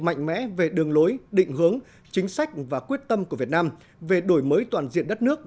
mạnh mẽ về đường lối định hướng chính sách và quyết tâm của việt nam về đổi mới toàn diện đất nước